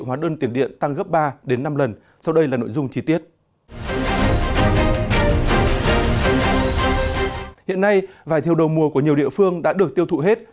hiện nay vải thiều đầu mùa của nhiều địa phương đã được tiêu thụ hết